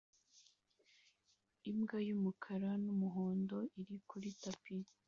Imbwa y'umukara n'umuhondo iri kuri tapi